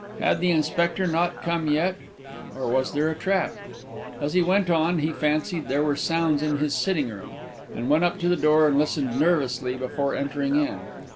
Had the Inspector not come yet, or was there a trap? As he went on, he fancied there were sounds in his sitting room, and went up to the door and listened nervously before entering in.